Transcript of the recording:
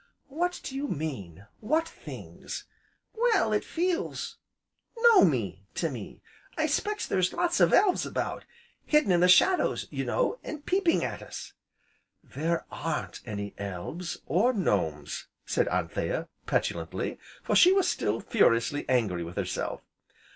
"What do you mean what things?" "Well, it feels gnomy, to me. I s'pecks there's lots of elves about hidden in the shadows, you know, an' peeping at us." "There aren't any elves, or gnomes," said Anthea petulantly, for she was still furiously angry with herself.